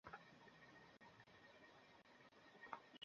বরং বাংলাদেশ এখন আছে সাতে, ছয়ে থাকা ইংল্যান্ডের ঘাড়ে নিশ্বাসও ফেলছে।